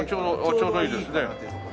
ちょうどいいですね。